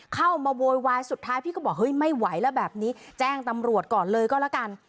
โวยวายสุดท้ายพี่ก็บอกเฮ้ยไม่ไหวแล้วแบบนี้แจ้งตำรวจก่อนเลยก็แล้วกัน